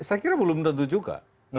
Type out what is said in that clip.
saya kira belum tentu juga